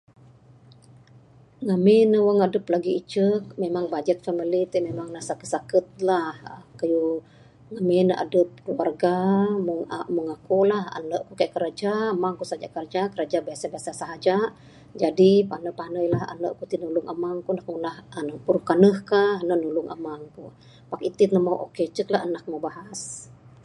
Ngamin wang adep lagi icek ngan bajet family ti memang ne saket saket lah kayuh ngamin adep keluarga. Meng aku lah ande ku kaik kerja amang ku saja kraja biasa biasa sahaja jadi panai panai lah ande ku ti nulung amang ku nak ngunah puruh kaneh ka nan nulung amang ku pak itin meh okay icek lah anak meh bahas.